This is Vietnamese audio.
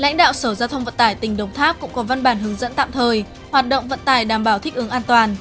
lãnh đạo sở giao thông vận tải tỉnh đồng tháp cũng có văn bản hướng dẫn tạm thời hoạt động vận tải đảm bảo thích ứng an toàn